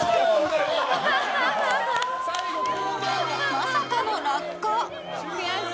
まさかの落下。